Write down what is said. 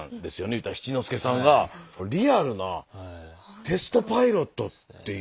言うたら七之助さんがリアルなテストパイロットっていう。